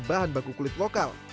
bahan baku kulit lokal